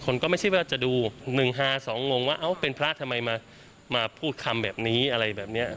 คนก็ไม่ใช่ว่าจะดู๑๕๒งงว่าเอ้าเป็นพระทำไมมาพูดคำแบบนี้อะไรแบบนี้